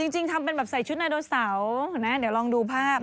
จริงทำเป็นแบบใส่ชุดไนโดเสานะเดี๋ยวลองดูภาพ